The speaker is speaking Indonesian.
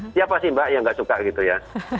siapa sih mbak yang nggak suka gitu ya